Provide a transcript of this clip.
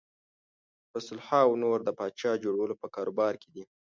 په سلهاوو نور د پاچا جوړولو په کاروبار کې دي.